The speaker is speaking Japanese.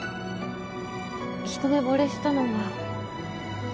一目ぼれしたのは